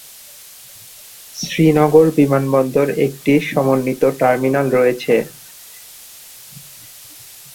শ্রীনগর বিমানবন্দর একটি সমন্বিত টার্মিনাল রয়েছে।